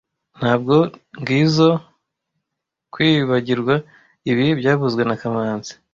Ntabwo ngizoe kwibagirwa ibi byavuzwe na kamanzi